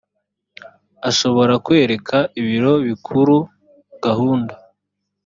ashobora kwereka ibiro bikuru gahunda